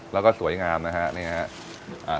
แล้วก็สวยงามนะฮะนี่ฮะ